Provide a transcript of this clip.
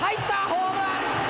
ホームラン！